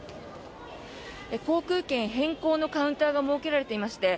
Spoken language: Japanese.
航空券変更のカウンターが設けられていまして